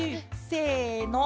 せの！